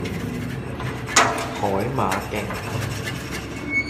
海馬徑